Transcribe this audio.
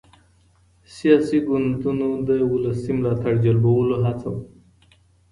سياسي ګوندونو د ولسي ملاتړ جلبولو هڅه وکړه.